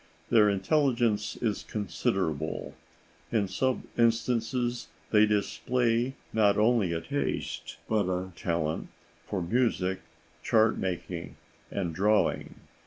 Their intelligence is considerable. In some instances they display not only a taste but a talent for music, chart making, and drawing.